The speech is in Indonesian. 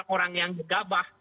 orang yang gabah